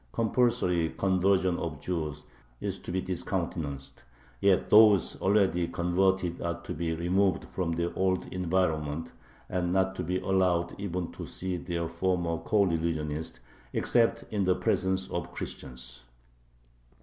Compulsory conversion of Jews is to be discountenanced; yet those already converted are to be removed from their old environment, and not to be allowed even to see their former coreligionists, except in the presence of Christians.